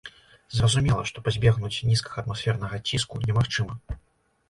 Зразумела, што пазбегнуць нізкага атмасфернага ціску немагчыма.